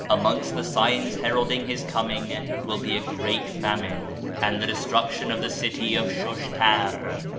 Amongst the signs heralding his coming will be a great famine, and the destruction of the city of Shush tar.